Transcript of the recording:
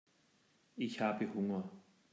Ich habe Hunger.